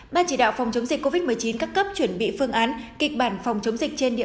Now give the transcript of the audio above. ban chỉ đạo phòng chống dịch covid một mươi chín các cấp chuẩn bị phương án kịch bản phòng chống dịch trên địa